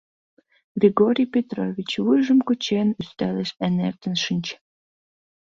Григорий Петрович, вуйжым кучен, ӱстелеш эҥертен шинче.